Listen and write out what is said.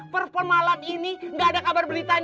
performa alat ini gak ada kabar beritanya